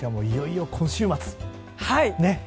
いよいよ今週末、ね。